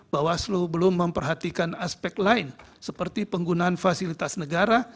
bawaslu belum memperhatikan aspek lain seperti penggunaan fasilitas negara